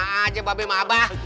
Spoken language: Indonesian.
bukan aja babenya sama abah